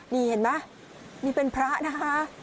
นี่เห็นไหมนี่เป็นพระนะคะ